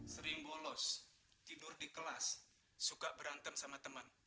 sering bolos tidur di kelas suka berantem sama teman